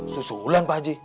susulan pak aji